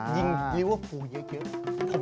ดูว่าผู้เยอะเยอะ